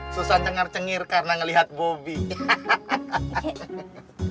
susah cengar cengir karena melihat bobby